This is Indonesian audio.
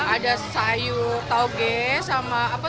ada sayur tauge sama apa